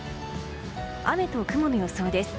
雨と雲の予想です。